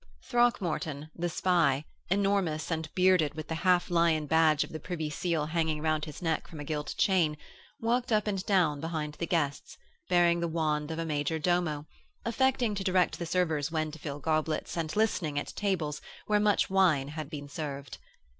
Throckmorton, the spy, enormous, bearded and with the half lion badge of the Privy Seal hanging round his neck from a gilt chain, walked up and down behind the guests, bearing the wand of a major domo, affecting to direct the servers when to fill goblets and listening at tables where much wine had been served.